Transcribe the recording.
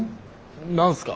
何すか？